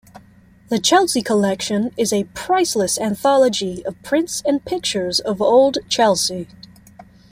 The Chelsea Collection is a priceless anthology of prints and pictures of old Chelsea.